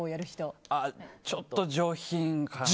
ちょっと上品かな。